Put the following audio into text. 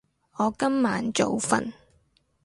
我今晚早瞓